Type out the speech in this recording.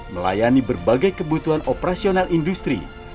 melayani berbagai kebutuhan operasional industri